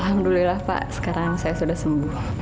alhamdulillah pak sekarang saya sudah sembuh